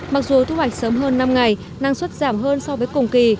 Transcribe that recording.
mặc dù thu hoạch sớm hơn năm ngày năng suất giảm hơn so với cùng kỳ